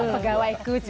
pegawai ku sih ya